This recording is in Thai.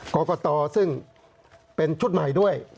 กรกตซึ่งเป็นชุดใหม่ด้วย